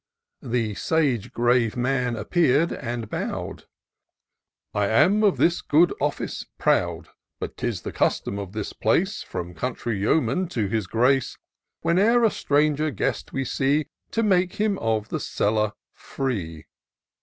The sage grave man appear'd, and bow'd :*^ I am of this good office proud ; But 'tis the custom of this place, From country yeoman to his Grace, 134 TOUR OF DOCTOR SYNTAX Whene'er a stranger guest we see, To make him of the cellar free.